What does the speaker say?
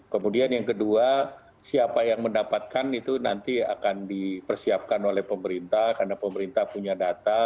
kemudian yang kedua siapa yang mendapatkan itu nanti akan dipersiapkan oleh pemerintah karena pemerintah punya data